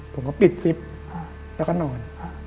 ผมก็ปิดซิปแล้วก็นอน